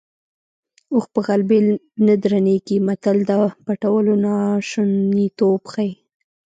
اوښ په غلبېل نه درنېږي متل د پټولو ناشونیتوب ښيي